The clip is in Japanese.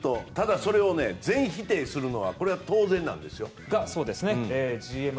周りから見るとそれを全否定するのはこれは当然なんです。